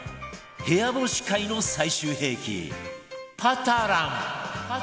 部屋干し界の最終兵器パタラン